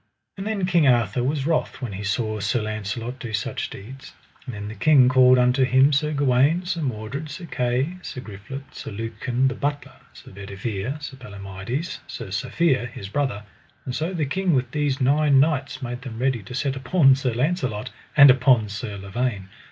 And then King Arthur was wroth when he saw Sir Launcelot do such deeds; and then the king called unto him Sir Gawaine, Sir Mordred, Sir Kay, Sir Griflet, Sir Lucan the Butler, Sir Bedivere, Sir Palomides, Sir Safere, his brother; and so the king with these nine knights made them ready to set upon Sir Launcelot, and upon Sir Lavaine.